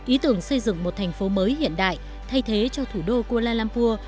ý tưởng xây dựng một thành phố mới hiện đại thay thế cho thủ đô kuala lumpur